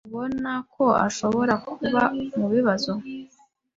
Ntubona ko ashobora kuba mubibazo?